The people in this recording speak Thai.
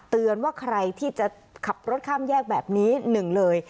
เตือนว่าใครที่จะขับรถข้ามแยกแบบนี้หนึ่งเลย